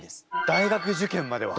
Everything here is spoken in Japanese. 大学受験までは？